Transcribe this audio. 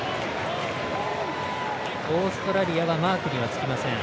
オーストラリアはマークにはつきません。